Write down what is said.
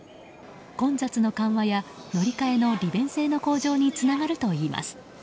混雑の緩和や乗り換えの利便性の向上につながるといいます。